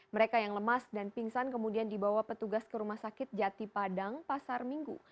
mereka yang lemas dan pingsan kemudian dibawa petugas ke rumah sakit jati padang pasar minggu